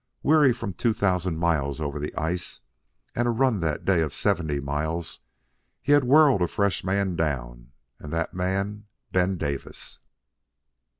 Weary from two thousand miles over the ice and a run that day of seventy miles, he had whirled a fresh man down, and that man Ben Davis.